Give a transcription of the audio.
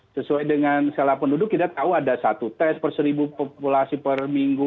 sesuai dengan skala penduduk kita tahu ada satu tes per seribu populasi per minggu